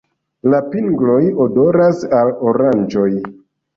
La pingloj odoras al oranĝoj.